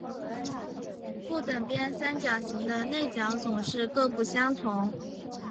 不等边三角形的内角总是各不相同。